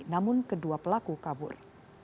namun kedua pelaku kabur